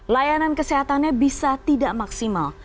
layanan kesehatannya bisa tidak maksimal